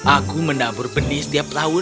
aku mendabur benih setiap tahun